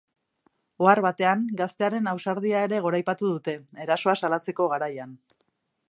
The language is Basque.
Ohar batean, gaztearen ausardia ere goraipatu dute, erasoa salatzeko garaian.